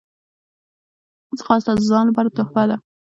ځغاسته د ځان لپاره تحفه ده